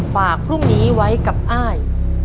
ฝากพรุ่งนี้ไว้กับอ้าย